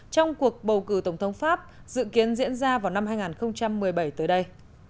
trong cuộc bầu cử tổng thống pháp dự kiến diễn ra vào năm hai nghìn một mươi bảy tới đây